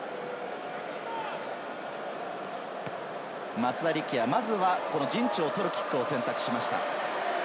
松田力也、まずは陣地を取るキックを選択しました。